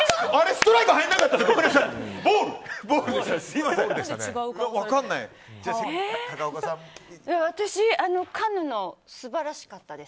ストライク入らなかったな。